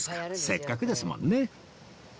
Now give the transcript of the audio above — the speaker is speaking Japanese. せっかくですもんね